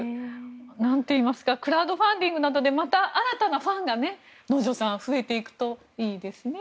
なんといいますかクラウドファンディングなどでまた新たなファンが、能條さん増えていくといいですね。